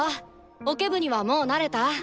オケ部にはもう慣れた？